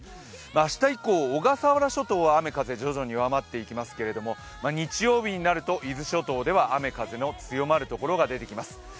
明日以降、小笠原諸島は雨、風徐々に弱まっていきますけど日曜日になると伊豆諸島では雨・風の強まるところが出てきます。